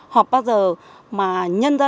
họp bao giờ mà nhân dân